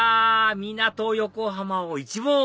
港横浜を一望！